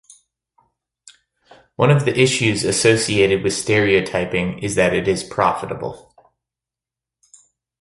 One of the issues associated with stereotyping is that it is profitable.